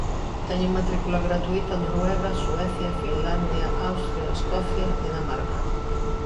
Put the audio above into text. Teñen matrícula gratuíta Noruega, Suecia, Finlandia, Austria, Escocia, Dinamarca.